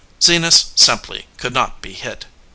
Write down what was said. Zenas simply could not be hit.